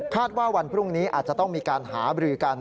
ว่าวันพรุ่งนี้อาจจะต้องมีการหาบรือกัน